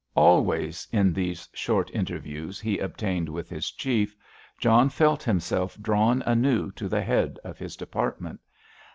Always, in these short interviews he obtained with his Chief, John felt himself drawn anew to the head of his department.